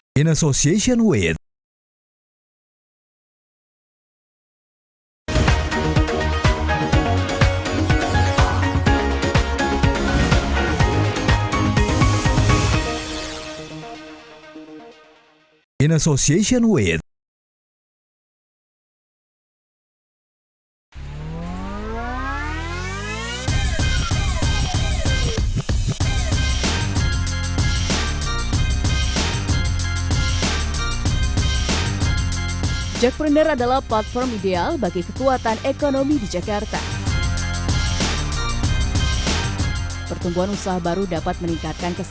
jangan lupa untuk berlangganan dan berlangganan